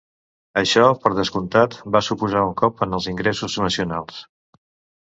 Això, per descomptat, va suposar un cop en els ingressos nacionals.